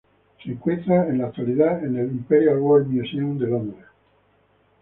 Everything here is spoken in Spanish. Se encuentra en la actualidad en el Imperial War Museum de Londres.